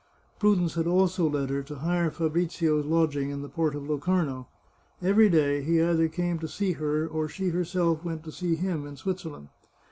Prudence had also led her to hire Fabrizio's lodging in the Port of Locarno. Every day he either came to see her, or she herself went to see him in Switzerland.